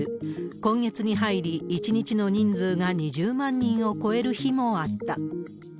今月に入り、１日の人数が２０万人を超える日もあった。